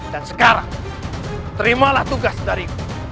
dan sekarang terimalah tugas dariku